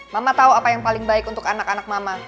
mama tahu apa yang paling baik untuk anak anak mama